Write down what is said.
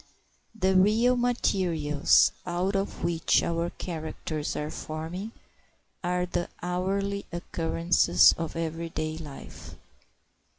The real materials out of which our characters are forming are the hourly occurrences of every day life.